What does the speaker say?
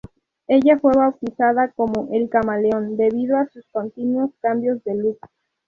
Ella fue bautizada como "El Camaleón" debido a sus continuos cambios de look.